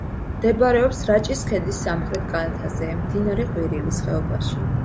მდებარეობს რაჭის ქედის სამხრეთ კალთაზე, მდინარე ყვირილის ხეობაში.